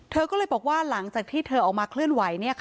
เธอก็เลยบอกว่าหลังจากที่เธอออกมาเคลื่อนไหว